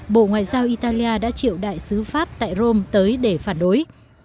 bộ ngoại giao italia đã triệu đại sứ pháp tại rome tới để phản đối